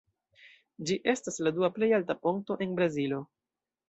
Ĝi estas la dua plej alta ponto en Brazilo.